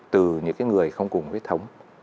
từ những cái người không cùng với thống